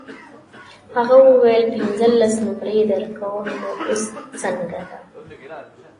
هغه وویل پنځلس نمرې درکوم نو اوس څنګه ده.